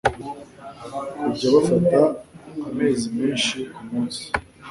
kujya bafata amazi menshi ku munsi,